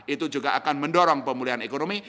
itu juga akan mendorong pemulihan ekonomi